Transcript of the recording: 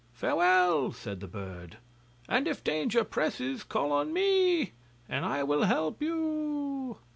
'Farewell,' said the bird, 'and if danger presses call to me, and I will help you.